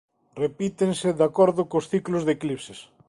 Repítense de acordo cos ciclos de eclipses.